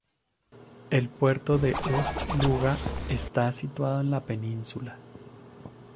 El puerto de Ust-Luga está situado en la península.